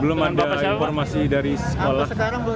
belum ada informasi dari sekolah